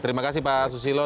terima kasih pak susilo